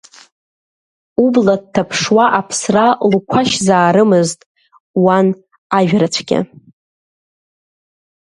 Убла дҭаԥшуа аԥсра лқәашьзаарымызт, уан ажәрацәгьа.